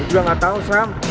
gue juga gak tahu sam